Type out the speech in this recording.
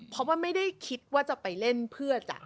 เพราะว่าไม่ได้คิดว่าจะไปเล่นเพื่อจะ